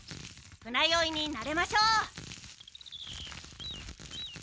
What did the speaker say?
船酔いになれましょう。